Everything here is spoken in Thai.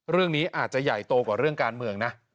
เรื่องนี้อาจจะใหญ่โตกว่าเรื่องการเมืองนะ